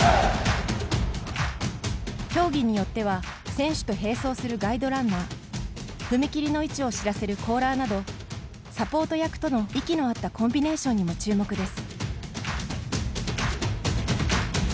競技によっては選手と併走するガイドランナー踏み切りの位置を知らせるコーラーなどサポート役との息の合ったコンビネーションにも注目です。